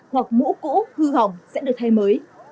hoặc mũ cũ hư hỏng sẽ được thay mới